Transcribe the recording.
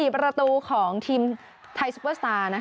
๔ประตูของทีมไทยซุปเปอร์สตาร์